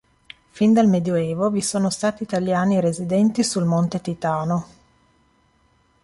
Fin dal medioevo vi sono stati italiani residenti sul monte Titano.